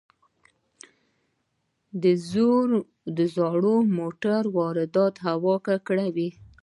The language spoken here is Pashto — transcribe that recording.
د زړو موټرو واردات هوا ککړوي.